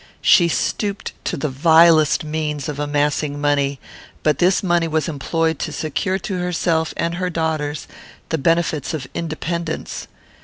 She stooped to the vilest means of amassing money; but this money was employed to secure to herself and her daughters the benefits of independence.